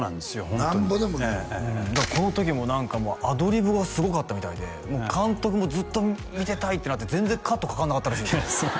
ホントになんぼでもだからこの時も何かアドリブがすごかったみたいで監督もずっと見てたいってなって全然カットかからなかったらしいですね